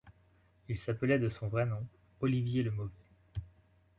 Il s’appelait de son vrai nom Olivier le Mauvais.